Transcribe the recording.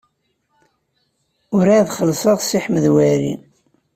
Werɛad ur xellṣeɣ Si Ḥmed Waɛli.